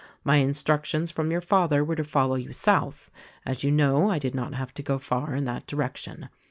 My instructions from your father were to follow you South. As you know, I did not have to go far in that direction.